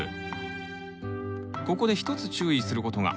ここで一つ注意する事が。